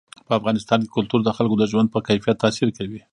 په افغانستان کې کلتور د خلکو د ژوند په کیفیت تاثیر کوي.